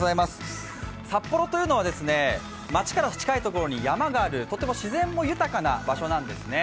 札幌というのは、街から近い所に山があるとても自然も豊かな場所なんですね。